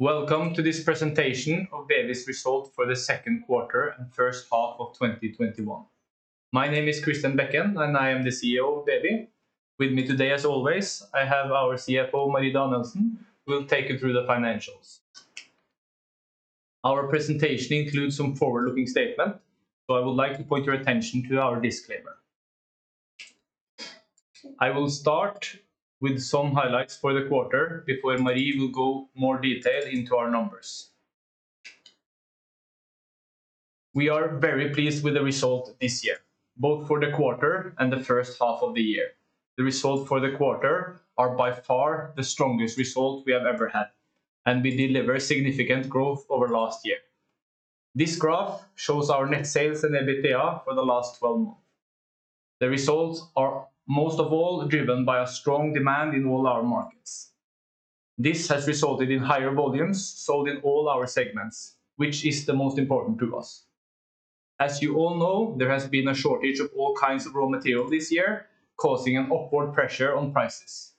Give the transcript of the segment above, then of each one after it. Welcome to this presentation of BEWI's Result for the Second Quarter and First Half of 2021. My name is Christian Bekken, I am the CEO of BEWI. With me today, as always, I have our CFO, Marie Danielsson, who will take you through the financials. Our presentation includes some forward-looking statement, I would like to point your attention to our disclaimer. I will start with some highlights for the quarter before Marie will go more detail into our numbers. We are very pleased with the result this year, both for the quarter and the first half of the year. The results for the quarter are by far the strongest results we have ever had, we deliver significant growth over last year. This graph shows our net sales and EBITDA for the last 12 months. The results are most of all driven by a strong demand in all our markets. This has resulted in higher volumes sold in all our segments, which is the most important to us. As you all know, there has been a shortage of all kinds of raw material this year, causing an upward pressure on prices.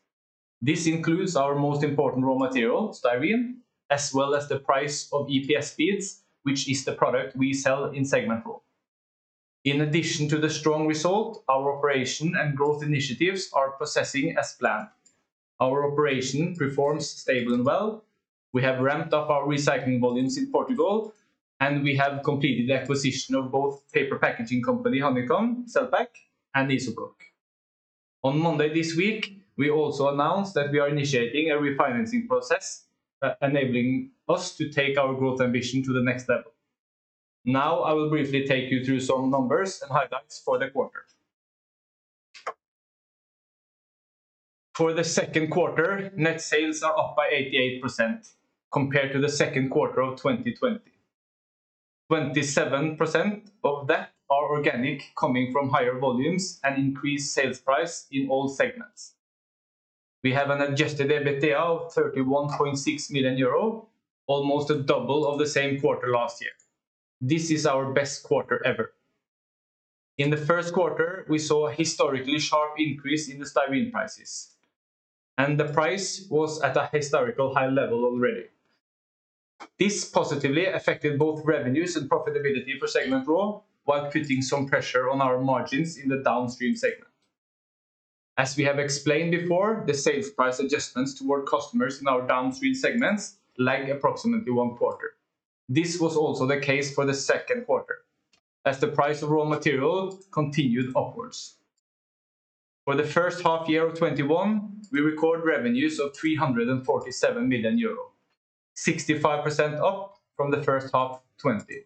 This includes our most important raw material, styrene, as well as the price of EPS beads, which is the product we sell in segment raw. In addition to the strong result, our operation and growth initiatives are progressing as planned. Our operation performs stable and well. We have ramped up our recycling volumes in Portugal, and we have completed the acquisition of both paper packaging company Honeycomb Cellpack and IZOBLOK. On Monday this week, we also announced that we are initiating a refinancing process enabling us to take our growth ambition to the next level. I will briefly take you through some numbers and highlights for the quarter. For the second quarter, net sales are up by 88% compared to the second quarter of 2020. 27% of that are organic, coming from higher volumes and increased sales price in all segments. We have an adjusted EBITDA of 31.6 million euro, almost a double of the same quarter last year. This is our best quarter ever. In the first quarter, we saw a historically sharp increase in the styrene prices, and the price was at a historical high level already. This positively affected both revenues and profitability for segment raw, while putting some pressure on our margins in the downstream segment. As we have explained before, the sales price adjustments toward customers in our downstream segments lag approximately one quarter. This was also the case for the second quarter, as the price of raw material continued upwards. For the first half year of 2021, we record revenues of 347 million euro, 65% up from the first half 2020.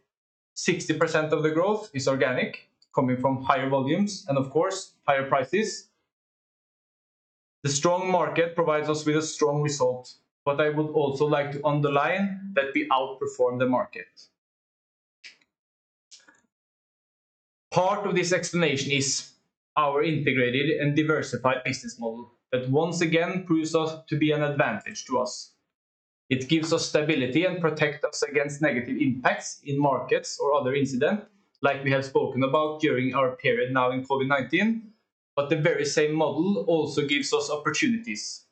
60% of the growth is organic, coming from higher volumes and, of course, higher prices. The strong market provides us with a strong result, but I would also like to underline that we outperform the market. Part of this explanation is our integrated and diversified business model that once again proves to be an advantage to us. It gives us stability and protects us against negative impacts in markets or other incidents like we have spoken about during our period now in COVID-19. The very same model also gives us opportunities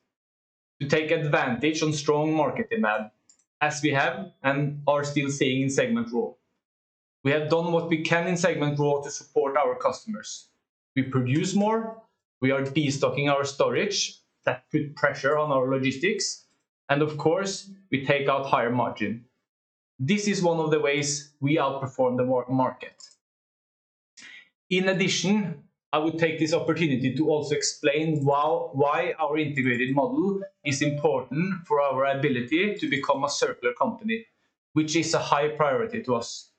to take advantage of strong market demand as we have and are still seeing in segment raw. We have done what we can in segment raw to support our customers. We produce more. We are destocking our storage. That put pressure on our logistics. Of course, we take out higher margin. This is one of the ways we outperform the market. In addition, I would take this opportunity to also explain why our integrated model is important for our ability to become a circular company, which is a high priority to us.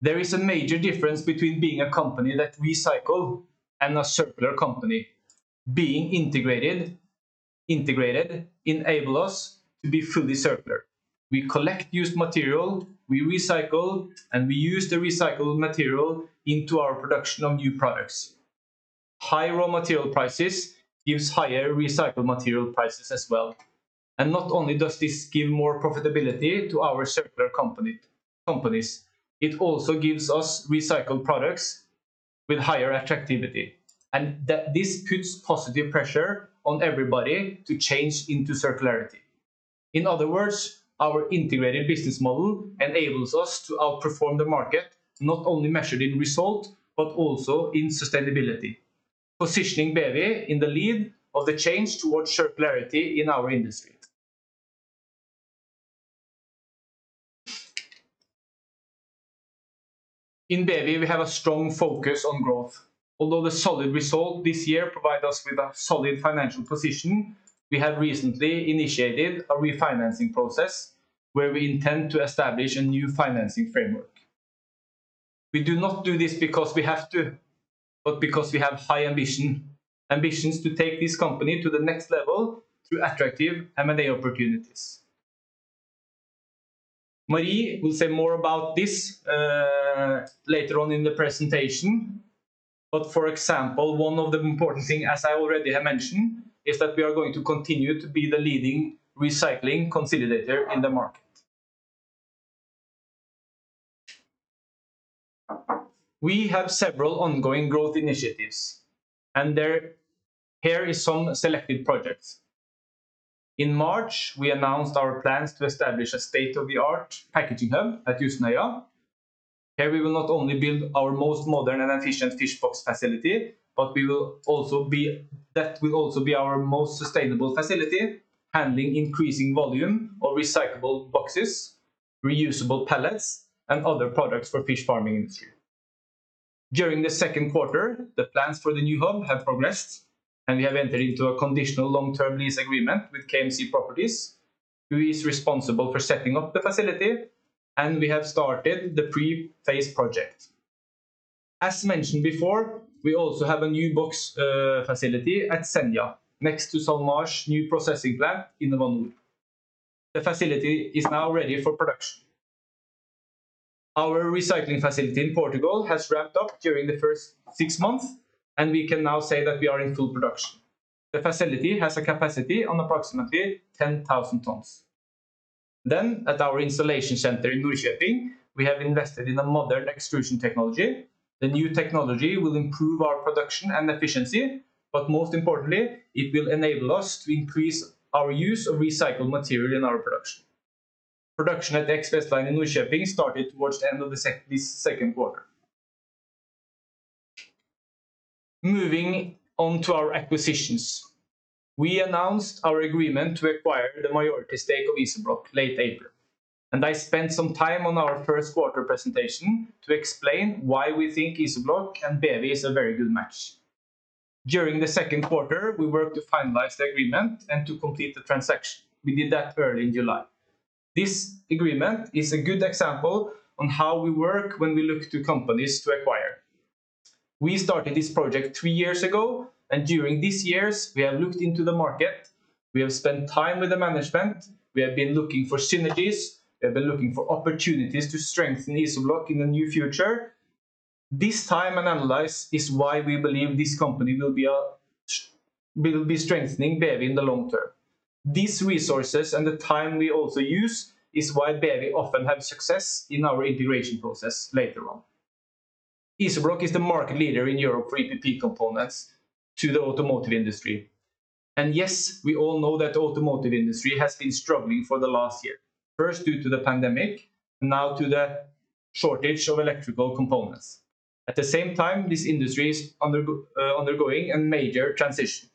There is a major difference between being a company that recycle and a circular company. Being integrated enable us to be fully circular. We collect used material, we recycle, and we use the recycled material into our production of new products. High raw material prices gives higher recycled material prices as well. Not only does this give more profitability to our circular companies, it also gives us recycled products with higher attractivity, and this puts positive pressure on everybody to change into circularity. In other words, our integrated business model enables us to outperform the market, not only measured in result, but also in sustainability. Positioning BEWI in the lead of the change towards circularity in our industry. In BEWI, we have a strong focus on growth. Although the solid result this year provide us with a solid financial position, we have recently initiated a refinancing process where we intend to establish a new financing framework. We do not do this because we have to, but because we have high ambitions to take this company to the next level through attractive M&A opportunities. Marie will say more about this later on in the presentation. For example, one of the important thing, as I already have mentioned, is that we are going to continue to be the leading recycling consolidator in the market. We have several ongoing growth initiatives, and here is some selected projects. In March, we announced our plans to establish a state-of-the-art packaging hub at Hustad. Here we will not only build our most modern and efficient fish box facility, but that will also be our most sustainable facility, handling increasing volume of recyclable boxes, reusable pallets, and other products for fish farming industry. During the second quarter, the plans for the new hub have progressed, and we have entered into a conditional long-term lease agreement with KMC Properties, who is responsible for setting up the facility, and we have started the pre-phase project. As mentioned before, we also have a new box facility at Senja, next to SalMar's new processing plant InnovaNor. The facility is now ready for production. Our recycling facility in Portugal has ramped up during the first six months, and we can now say that we are in full production. The facility has a capacity of approximately 10,000 tons. At our insulation center in Norrköping, we have invested in a modern extrusion technology. The new technology will improve our production and efficiency, but most importantly, it will enable us to increase our use of recycled material in our production. Production at XPS line in Norrköping started towards the end of the second quarter. Moving on to our acquisitions. We announced our agreement to acquire the majority stake of IZOBLOK late April, and I spent some time on our first quarter presentation to explain why we think IZOBLOK and BEWI is a very good match. During the second quarter, we worked to finalize the agreement and to complete the transaction. We did that early in July. This agreement is a good example on how we work when we look to companies to acquire. We started this project three years ago, and during these years we have looked into the market, we have spent time with the management, we have been looking for synergies, we have been looking for opportunities to strengthen IZOBLOK in the near future. This time and analyze is why we believe this company will be strengthening BEWI in the long term. These resources and the time we also use is why BEWI often have success in our integration process later on. IZOBLOK is the market leader in Europe for EPP components to the automotive industry. Yes, we all know that automotive industry has been struggling for the last year, first due to the pandemic, now to the shortage of electrical components. At the same time, this industry is undergoing a major transition,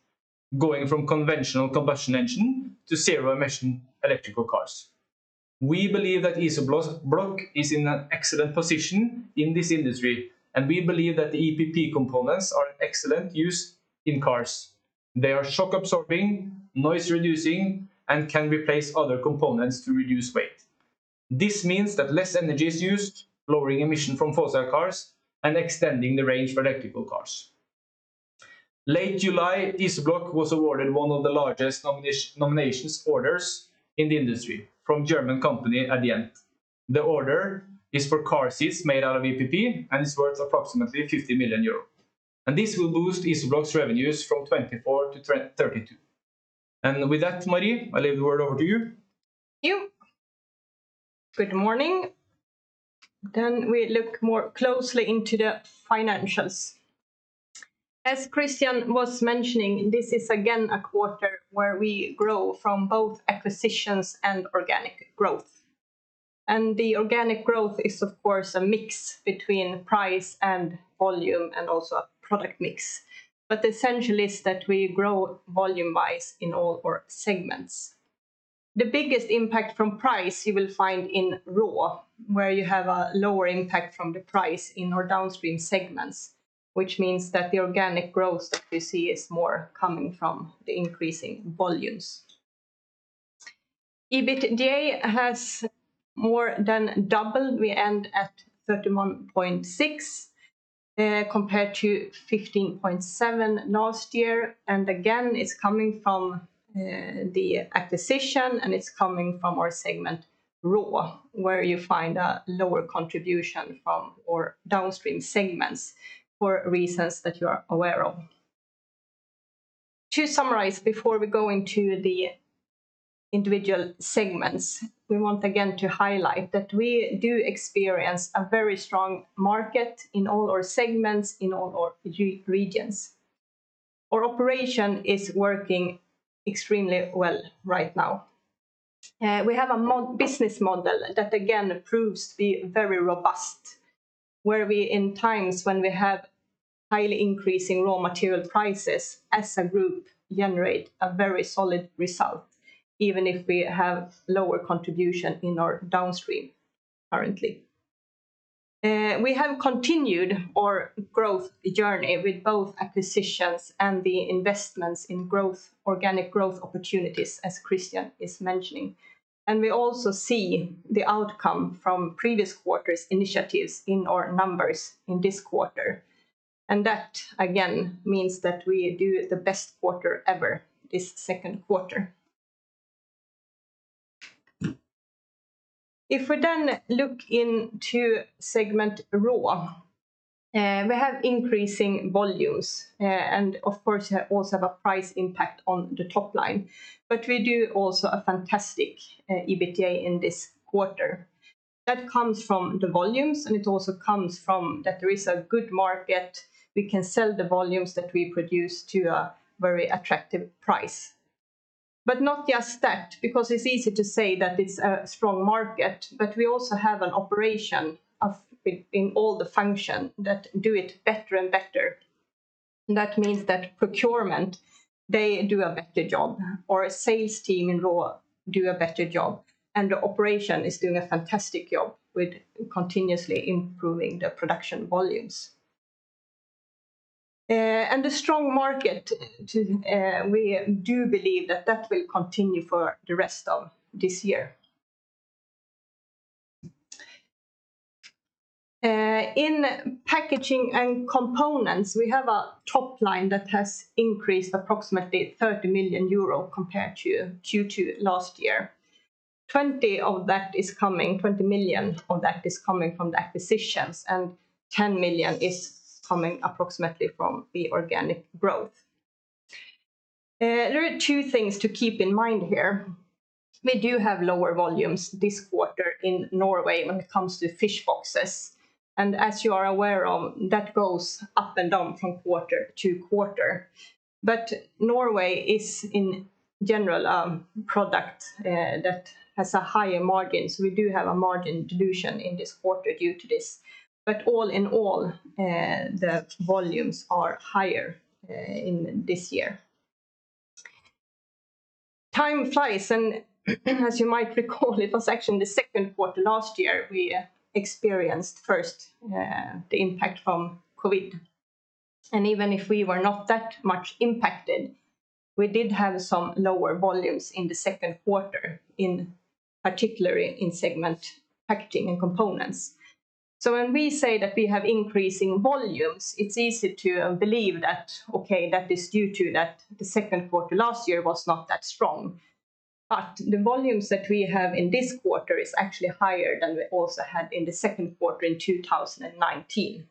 going from conventional combustion engine to zero-emission electrical cars. We believe that IZOBLOK is in an excellent position in this industry, and we believe that the EPP components are an excellent use in cars. They are shock-absorbing, noise-reducing, and can replace other components to reduce weight. This means that less energy is used, lowering emission from fossil cars and extending the range for electrical cars. Late July, IZOBLOK was awarded one of the largest nominations orders in the industry from German company, Adient. The order is for car seats made out of EPP, and it's worth approximately 50 million euro. This will boost IZOBLOK's revenues from 24 million to 32 million. With that, Marie, I leave the word over to you. Thank you. Good morning. We look more closely into the financials. As Christian Bekken was mentioning, this is again a quarter where we grow from both acquisitions and organic growth. The organic growth is, of course, a mix between price and volume and also a product mix. The essential is that we grow volume-wise in all our segments. The biggest impact from price you will find in raw, where you have a lower impact from the price in our downstream segments, which means that the organic growth that you see is more coming from the increasing volumes. EBITDA has more than doubled. We end at 31.6, compared to 15.7 last year, and again, it's coming from the acquisition, and it's coming from our segment raw, where you find a lower contribution from our downstream segments for reasons that you are aware of. To summarize, before we go into the individual segments, we want again to highlight that we do experience a very strong market in all our segments, in all our regions. Our operation is working extremely well right now. We have a business model that again proves to be very robust, where we, in times when we have highly increasing raw material prices, as a group, generate a very solid result, even if we have lower contribution in our downstream currently. We have continued our growth journey with both acquisitions and the investments in organic growth opportunities, as Christian is mentioning. We also see the outcome from previous quarters' initiatives in our numbers in this quarter. That, again, means that we do the best quarter ever this second quarter. If we look into segment raw, we have increasing volumes and of course, also have a price impact on the top line. We do also a fantastic EBITDA in this quarter. That comes from the volumes, and it also comes from that there is a good market. We can sell the volumes that we produce to a very attractive price. Not just that, because it's easy to say that it's a strong market, but we also have an operation in all the function that do it better and better. That means that procurement, they do a better job, or a sales team in raw do a better job, and the operation is doing a fantastic job with continuously improving the production volumes. The strong market, we do believe that that will continue for the rest of this year. In packaging and components, we have a top line that has increased approximately 30 million euro compared to Q2 last year. 20 million of that is coming from the acquisitions and 10 million is coming approximately from the organic growth. There are two things to keep in mind here. We do have lower volumes this quarter in Norway when it comes to fish boxes, and as you are aware of, that goes up and down from quarter-to-quarter. Norway is in general a product that has a higher margin, so we do have a margin dilution in this quarter due to this, but all in all, the volumes are higher in this year. Time flies, and as you might recall, it was actually in the second quarter last year, we experienced first the impact from COVID. Even if we were not that much impacted, we did have some lower volumes in the second quarter, in particular in segment packaging and components. When we say that we have increasing volumes, it's easy to believe that, okay, that is due to that the second quarter last year was not that strong. The volumes that we have in this quarter is actually higher than we also had in the second quarter in 2019.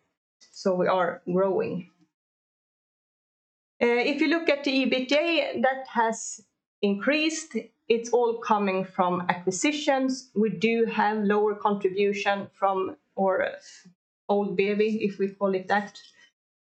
We are growing. If you look at the EBITDA, that has increased. It's all coming from acquisitions. We do have lower contribution from our old BEWI, if we call it that.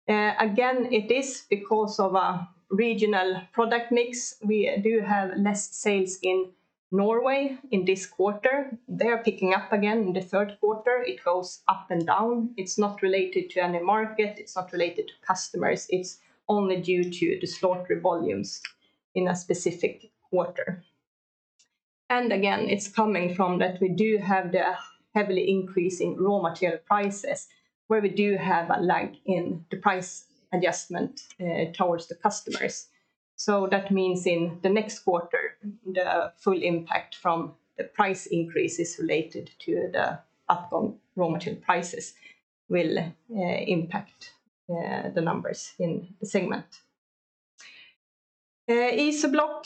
Again, it is because of a regional product mix. We do have less sales in Norway in this quarter. They are picking up again in the third quarter. It goes up and down. It's not related to any market, it's not related to customers, it's only due to the slaughter volumes in a specific quarter. It's coming from that we do have the heavily increase in raw material prices where we do have a lag in the price adjustment towards the customers. That means in the next quarter, the full impact from the price increase is related to the up on raw material prices will impact the numbers in the segment. IZOBLOK,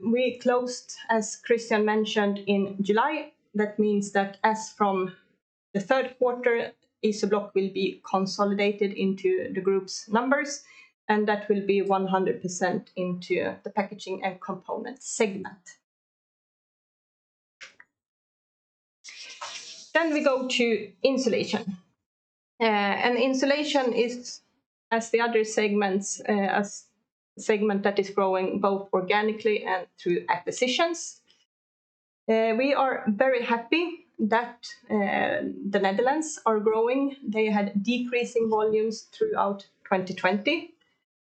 we closed, as Christian mentioned, in July. That means that as from the third quarter, IZOBLOK will be consolidated into the group's numbers, and that will be 100% into the packaging and component segment. We go to insulation, and insulation is, as the other segments, a segment that is growing both organically and through acquisitions. We are very happy that the Netherlands are growing. They had decreasing volumes throughout 2020.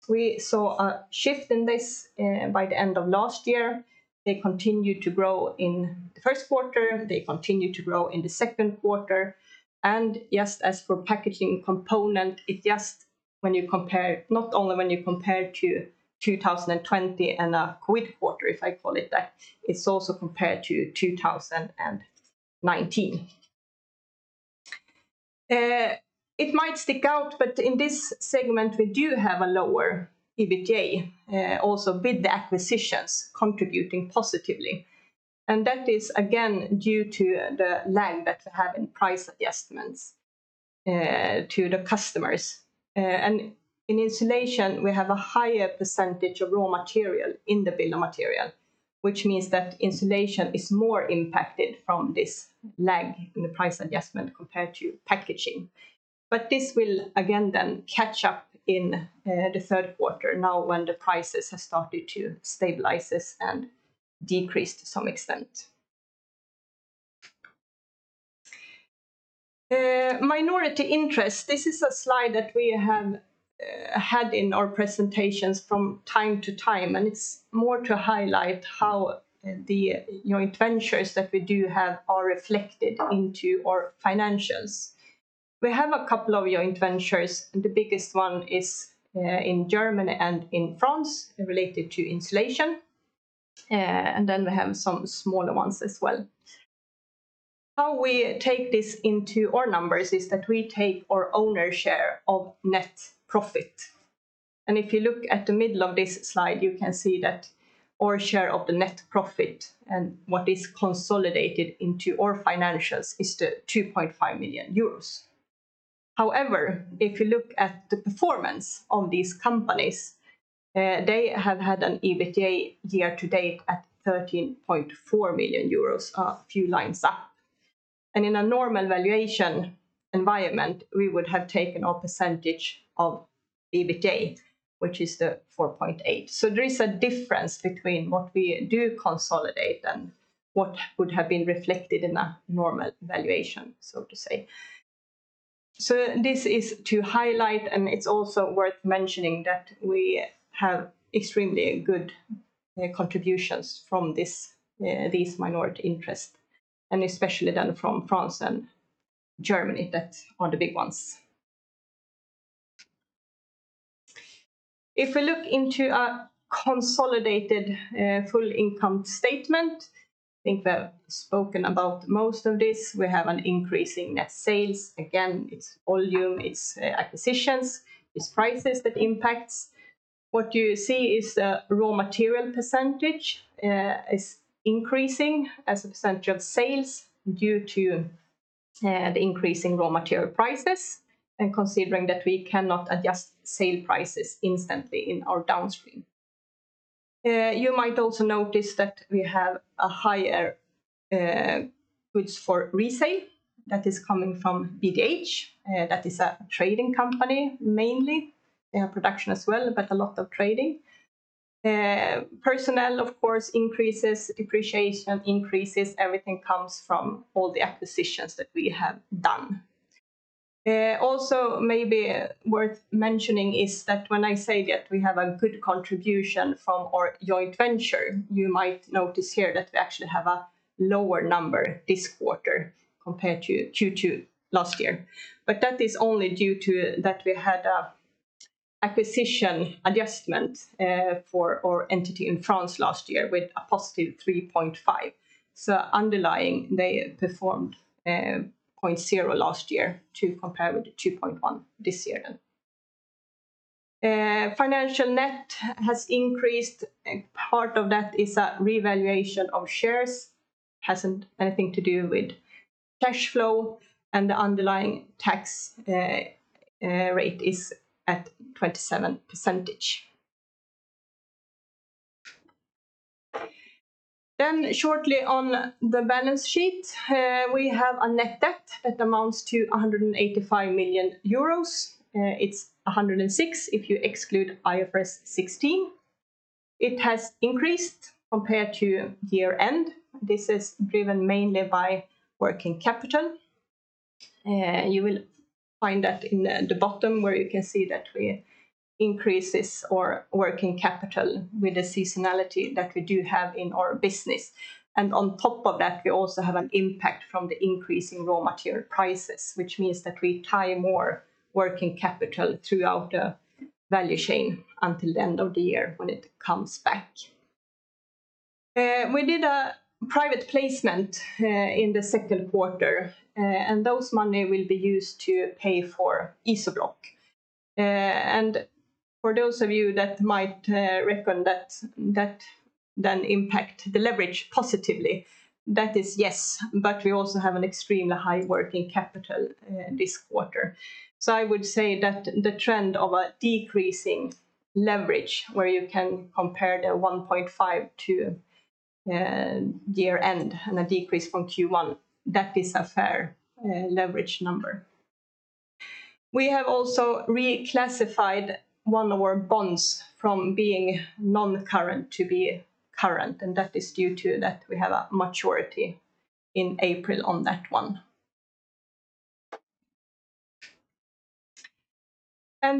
We saw a shift in this by the end of last year. They continued to grow in the first quarter, they continued to grow in the second quarter. Just as for packaging component, it just not only when you compare to 2020 and a COVID quarter, if I call it that, it's also compared to 2019. It might stick out, but in this segment, we do have a lower EBITDA, also with the acquisitions contributing positively. That is, again, due to the lag that we have in price adjustments to the customers. In insulation, we have a higher percentage of raw material in the bill of material, which means that insulation is more impacted from this lag in the price adjustment compared to packaging. This will again then catch up in the third quarter now when the prices have started to stabilize and decrease to some extent. Minority interest. This is a slide that we have had in our presentations from time to time, and it's more to highlight how the joint ventures that we do have are reflected into our financials. We have a couple of joint ventures, and the biggest one is in Germany and in France related to insulation, and then we have some smaller ones as well. How we take this into our numbers is that we take our owner share of net profit. If you look at the middle of this slide, you can see that our share of the net profit and what is consolidated into our financials is 2.5 million euros. However, if you look at the performance of these companies, they have had an EBITDA year-to-date at 13.4 million euros, a few lines up. In a normal valuation environment, we would have taken our percentage of EBITDA, which is the 4.8%. There is a difference between what we do consolidate and what would have been reflected in a normal valuation, so to say. This is to highlight, and it's also worth mentioning that we have extremely good contributions from these minority interests, and especially then from France and Germany, that are the big ones. If we look into our consolidated full income statement, I think we have spoken about most of this. We have an increase in net sales. It's volume, it's acquisitions, it's prices that impacts. What you see is the raw material percentage is increasing as a percentage of sales due to the increase in raw material prices and considering that we cannot adjust sale prices instantly in our downstream. You might also notice that we have a higher goods for resale that is coming from BDH. That is a trading company, mainly. They have production as well, but a lot of trading. Personnel, of course, increases, depreciation increases, everything comes from all the acquisitions that we have done. When I say that we have a good contribution from our joint venture, you might notice here that we actually have a lower number this quarter compared to Q2 last year. That is only due to that we had an acquisition adjustment for our entity in France last year with a positive 3.5. Underlying, they performed 0.0 last year to compare with the 2.1 this year then. Financial net has increased. Part of that is a revaluation of shares, hasn't anything to do with cash flow, and the underlying tax rate is at 27%. Shortly on the balance sheet, we have a net debt that amounts to 185 million euros. It's 106 if you exclude IFRS 16. It has increased compared to year end. This is driven mainly by working capital. You will find that in the bottom where you can see that we increase this, our working capital with the seasonality that we do have in our business. On top of that, we also have an impact from the increase in raw material prices, which means that we tie more working capital throughout the value chain until the end of the year when it comes back. We did a private placement in the second quarter, and those money will be used to pay for IZOBLOK. For those of you that might reckon that then impact the leverage positively, that is yes, but we also have an extremely high working capital this quarter. I would say that the trend of a decreasing leverage where you can compare the 1.5 to year end and a decrease from Q1, that is a fair leverage number. We have also reclassified one of our bonds from being non-current to be current, and that is due to that we have a maturity in April on that one.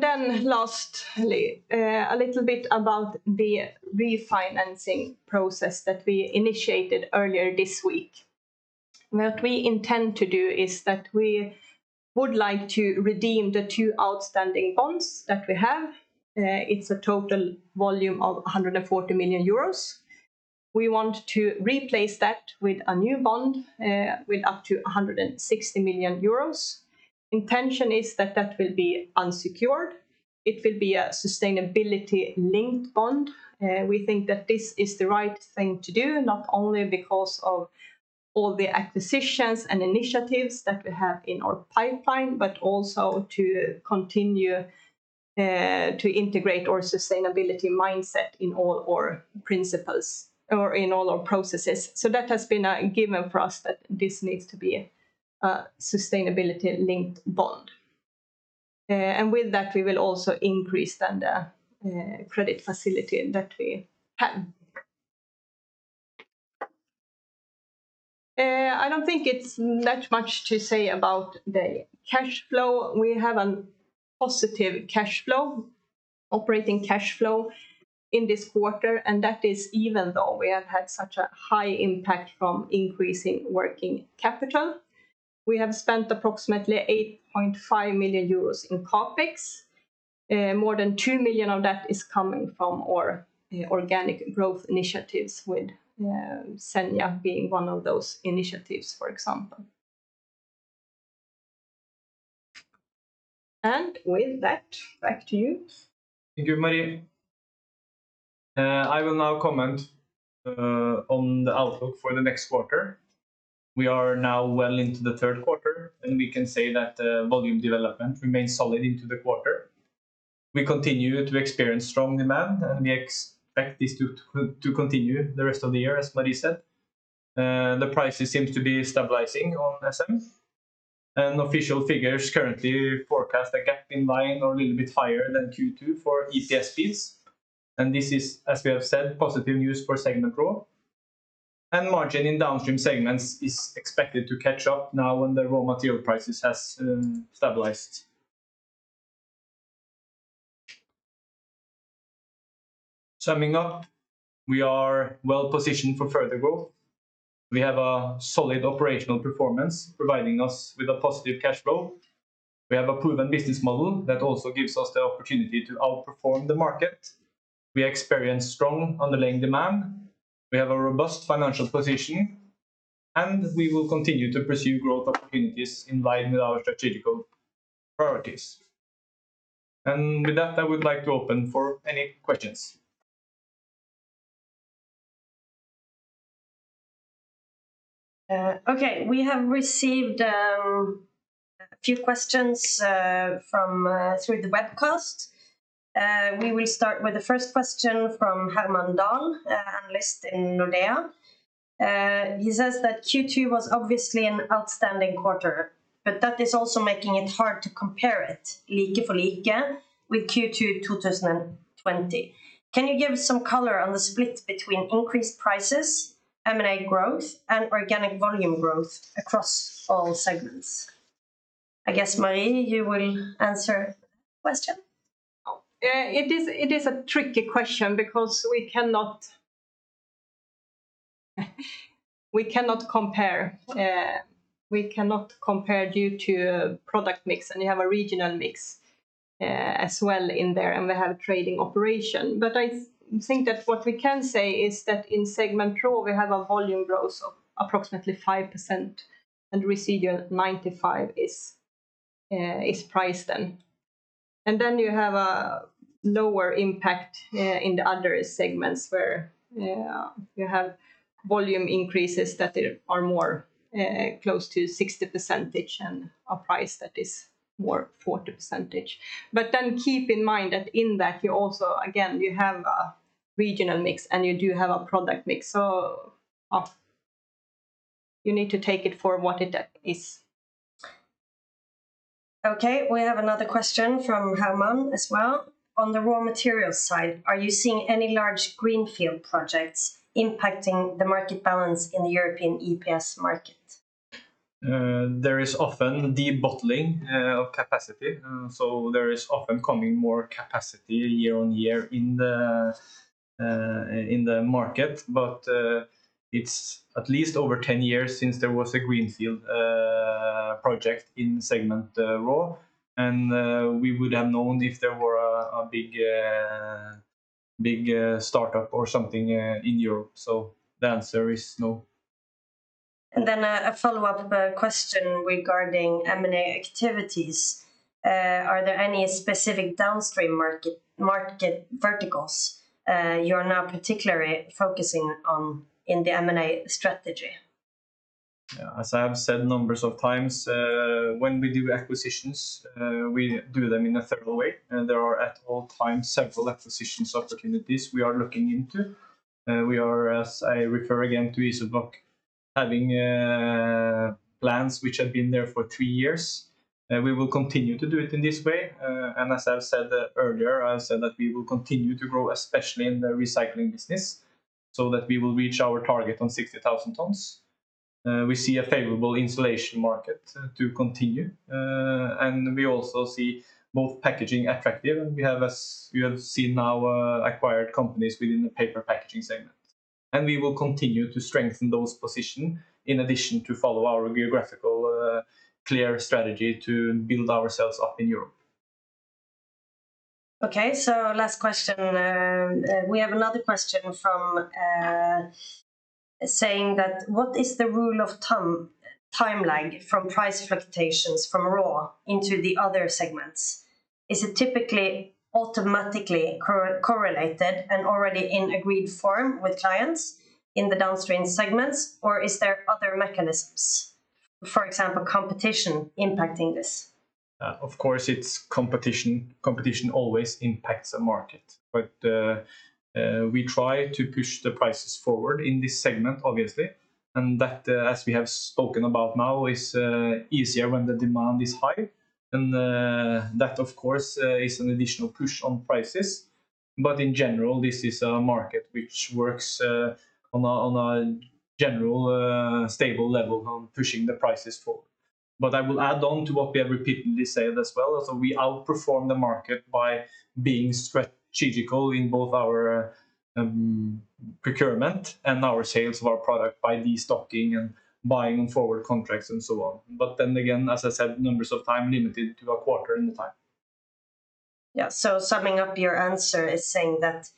Then lastly, a little bit about the refinancing process that we initiated earlier this week. What we intend to do is that we would like to redeem the two outstanding bonds that we have. It's a total volume of 140 million euros. We want to replace that with a new bond with up to 160 million euros. Intention is that will be unsecured. It will be a sustainability-linked bond. We think that this is the right thing to do, not only because of all the acquisitions and initiatives that we have in our pipeline, but also to continue to integrate our sustainability mindset in all our principles or in all our processes. That has been a given for us that this needs to be a sustainability-linked bond. With that, we will also increase then the credit facility that we have. I don't think it's that much to say about the cash flow. We have a positive cash flow, operating cash flow in this quarter, that is even though we have had such a high impact from increasing working capital. We have spent approximately 8.5 million euros in CapEx. More than 2 million of that is coming from our organic growth initiatives with Senja being one of those initiatives, for example. With that, back to you. Thank you, Marie I will now comment on the outlook for the next quarter. We are now well into the third quarter, and we can say that volume development remains solid into the quarter. We continue to experience strong demand, and we expect this to continue the rest of the year, as Marie said. The prices seems to be stabilizing on SM. Official figures currently forecast a gap in line or a little bit higher than Q2 for EPS beads. This is, as we have said, positive news for segment Raw. Margin in downstream segments is expected to catch up now when the raw material prices has stabilized. Summing up, we are well-positioned for further growth. We have a solid operational performance providing us with a positive cash flow. We have a proven business model that also gives us the opportunity to outperform the market. We experience strong underlying demand. We have a robust financial position, and we will continue to pursue growth opportunities in line with our strategical priorities. With that, I would like to open for any questions. Okay. We have received a few questions through the webcast. We will start with the first question from Herman Dahl, analyst in Nordea. He says that Q2 was obviously an outstanding quarter, that is also making it hard to compare it, like for like, with Q2 2020. Can you give some color on the split between increased prices, M&A growth, and organic volume growth across all segments? I guess, Marie, you will answer the question. It is a tricky question because we cannot compare due to product mix, and you have a regional mix as well in there, and we have trading operation. I think that what we can say is that in segment Raw, we have a volume growth of approximately 5%, and the residual 95% is priced in. You have a lower impact in the other segments where you have volume increases that are more close to 60% and a price that is more 40%. Keep in mind that in that, you also, again, you have a regional mix, and you do have a product mix. You need to take it for what it is. Okay. We have another question from Herman as well. On the raw material side, are you seeing any large greenfield projects impacting the market balance in the European EPS market? There is often debottling of capacity, so there is often coming more capacity year-on-year in the market. It's at least over 10 years since there was a greenfield project in segment Raw, and we would have known if there were a big startup or something in Europe. The answer is no. A follow-up question regarding M&A activities. Are there any specific downstream market verticals you are now particularly focusing on in the M&A strategy? As I have said numbers of times, when we do acquisitions, we do them in a thorough way. There are at all times several acquisition opportunities we are looking into. We are, as I refer again to IZOBLOK, having plans which have been there for three years. We will continue to do it in this way. As I've said earlier, I've said that we will continue to grow, especially in the recycling business, so that we will reach our target on 60,000 tons. We see a favorable insulation market to continue. We also see both packaging attractive, and we have, as you have seen now, acquired companies within the paper packaging segment. We will continue to strengthen those position in addition to follow our geographical clear strategy to build ourselves up in Europe. Last question. We have another question saying that what is the rule of timeline from price fluctuations from raw into the other segments? Is it typically automatically correlated and already in agreed form with clients in the downstream segments, or is there other mechanisms, for example, competition impacting this? Of course, it's competition. Competition always impacts a market. We try to push the prices forward in this segment, obviously, and that, as we have spoken about now, is easier when the demand is high. That, of course, is an additional push on prices. In general, this is a market which works on a general stable level on pushing the prices forward. I will add on to what we have repeatedly said as well. We outperform the market by being strategical in both our procurement and our sales of our product by destocking and buying forward contracts and so on. As I said, numbers of times limited to a quarter in time. Yeah. Summing up your answer is saying that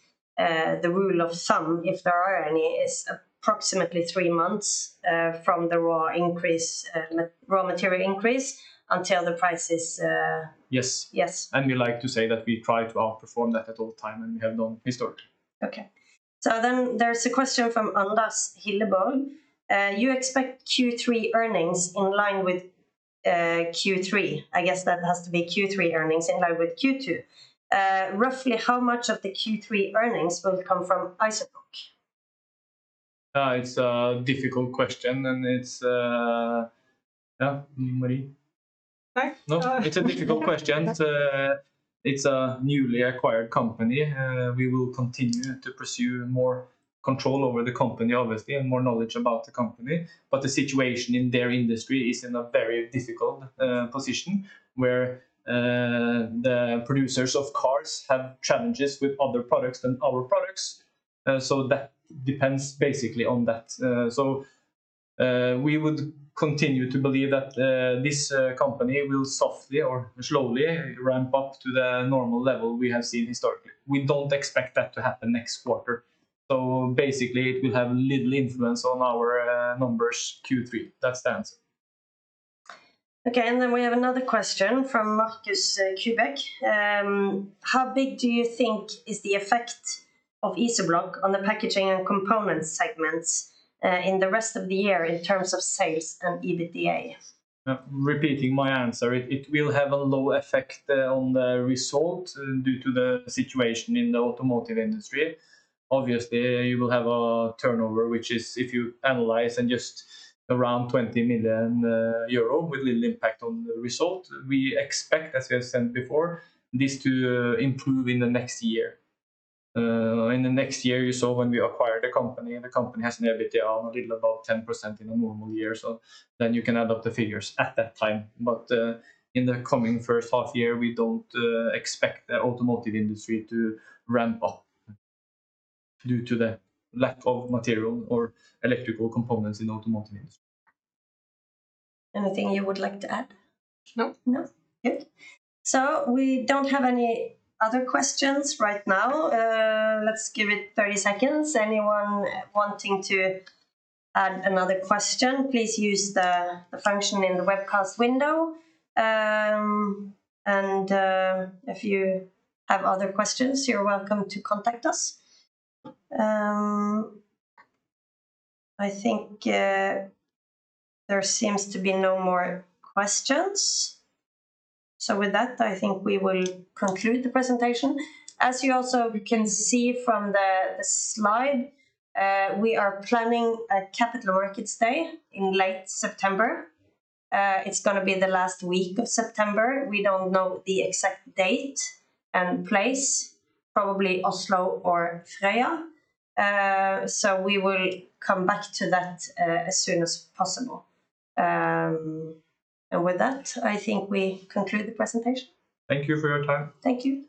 the rule of thumb, if there are any, is approximately three months from the raw material increase until the prices- Yes Yes. We like to say that we try to outperform that at all time, and we have done historically. There's a question from Anders Hillerborg. You expect Q3 earnings in line with Q3. I guess that has to be Q3 earnings in line with Q2. Roughly how much of the Q3 earnings will come from IZOBLOK? It's a difficult question, and it's Yeah, Marie? Sorry? It's a difficult question. It's a newly acquired company. We will continue to pursue more control over the company, obviously, and more knowledge about the company, but the situation in their industry is in a very difficult position where the producers of cars have challenges with other products than our products. That depends basically on that. We would continue to believe that this company will softly or slowly ramp up to the normal level we have seen historically. We don't expect that to happen next quarter. Basically, it will have little influence on our numbers Q3. That's the answer. We have another question from Marcus Kubek. How big do you think is the effect of IZOBLOK on the packaging and components segments in the rest of the year in terms of sales and EBITDA? Repeating my answer, it will have a low effect on the result due to the situation in the automotive industry. Obviously, you will have a turnover, which is, if you analyze and just around 20 million euro with little impact on the result. We expect, as I said before, this to improve in the next year. In the next year, you saw when we acquired the company, and the company has an EBITDA on a little above 10% in a normal year, so then you can add up the figures at that time. But in the coming first half year, we don't expect the automotive industry to ramp up due to the lack of material or electrical components in automotive industry. Anything you would like to add? No. No? Good. We don't have any other questions right now. Let's give it 30 seconds. Anyone wanting to add another question, please use the function in the webcast window. If you have other questions, you're welcome to contact us. I think there seems to be no more questions. With that, I think we will conclude the presentation. As you also can see from the slide, we are planning a Capital Markets Day in late September. It's going to be the last week of September. We don't know the exact date and place, probably Oslo or Frøya. We will come back to that as soon as possible. With that, I think we conclude the presentation. Thank you for your time. Thank you.